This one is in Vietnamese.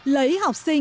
lấy học sinh